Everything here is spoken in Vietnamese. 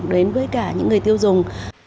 đến với cả những người tiêu dùng